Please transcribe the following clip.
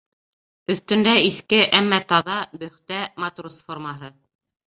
Өҫтөндә иҫке, әммә таҙа, бөхтә матрос формаһы.